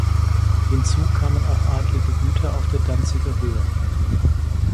Hinzu kamen auch adlige Güter auf der Danziger Höhe.